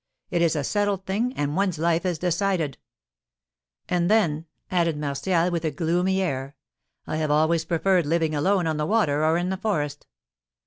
It is a settled thing, and one's life is decided. And then," added Martial, with a gloomy air, "I have always preferred living alone on the water or in the forest.